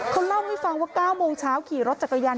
เขาเล่าให้ฟังว่า๙โมงเช้าขี่รถจักรยาน